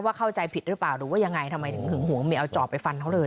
เข้าใจผิดหรือเปล่าหรือว่ายังไงทำไมถึงหึงหวงเมียเอาจอบไปฟันเขาเลย